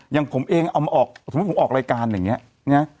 ยังผมเองเอามาออกสมมุติผมออกรายการอย่างเงี้ยเนี้ย